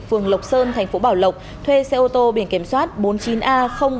phường lộc sơn thành phố bảo lộc thuê xe ô tô biển kiểm soát bốn mươi chín a bảy nghìn năm trăm bốn mươi hai